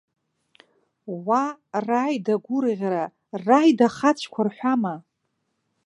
Уа, раида гәырӷьара, раид ахацәқәа рҳәама?